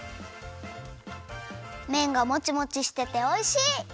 めんがもちもちしてておいしい！